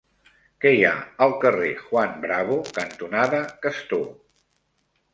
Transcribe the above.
Què hi ha al carrer Juan Bravo cantonada Castor?